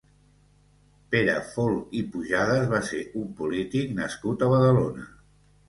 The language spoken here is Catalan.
Pere Folch i Pujadas va ser un polític nascut a Badalona.